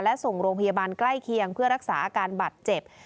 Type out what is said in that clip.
และส่งโรงพยาบาลใกล้เคียงเพื่อรักษาอาการบาดเจ็บ